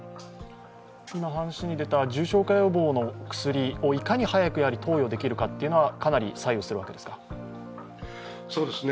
今話に出た、重症化予防の薬をいかに早く投与できるかっていうのがかなり左右するわけですか？